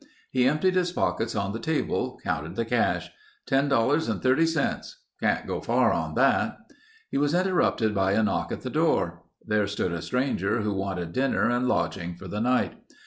He emptied his pockets on the table; counted the cash. "Ten dollars and thirty cents. Can't get far on that—" He was interrupted by a knock at the door. There stood a stranger who wanted dinner and lodging for the night.